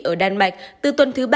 ở đan mạch từ tuần thứ ba